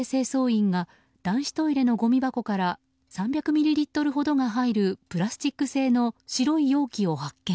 警視庁によると６０代の女性清掃員が男子トイレのごみ箱から３００ミリリットルほどが入るプラスチック製の白い容器を発見。